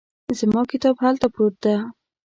زما کتاب هلته پروت ده